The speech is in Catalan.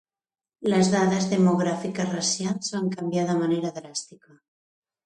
Les dades demogràfiques racials van canviar de manera dràstica.